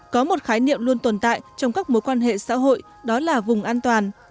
có một khái niệm luôn tồn tại trong các mối quan hệ xã hội đó là vùng an toàn